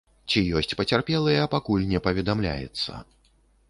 Ці ёсць пацярпелыя, пакуль не паведамляецца.